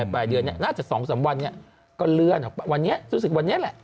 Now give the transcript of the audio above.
ปลายเดือนเนี่ยน่าจะ๒๓วันนี้ก็เลื่อนออกไปวันนี้รู้สึกวันนี้แหละ